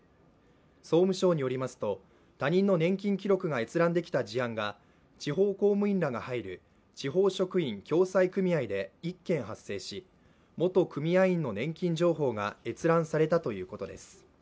総務省によりますと、他人の年金記録が閲覧できた事案が地方公務員らが入る地方職員共済組合で１件発生し、元組合員の年金情報が閲覧されたということです。